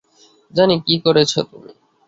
জানি কী করেছ তুমি।